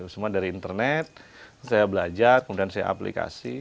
semua dari internet saya belajar kemudian saya aplikasi